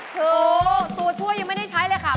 ถูกสูตรชั่วยังไม่ได้ใช้เลยค่ะ